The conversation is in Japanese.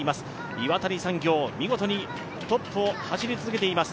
岩谷産業、見事にトップを走り続けています。